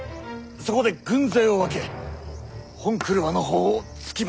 そこで軍勢を分け本曲輪の方をつきまする。